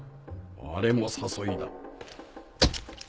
あれも誘いだ。